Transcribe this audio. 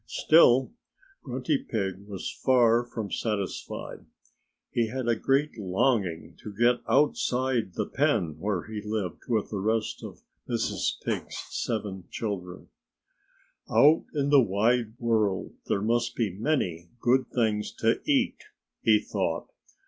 Still, Grunty Pig was far from satisfied. He had a great longing to get outside the pen where he lived with the rest of Mrs. Pig's seven children. "Out in the wide world there must be many good things to eat," he thought.